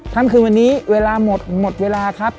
ค่ำคืนวันนี้เวลาหมดหมดเวลาครับ